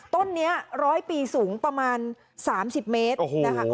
ต้นนี้๑๐๐ปีสูงประมาณ๓๐เมตรนะคะ